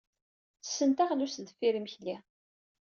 Ttessen taɣlust deffir yimekli.